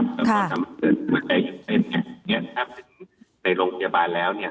เราต้องทำให้สูญแรงให้เป็นเนี่ยถ้าถึงในโรงพยาบาลแล้วเนี่ย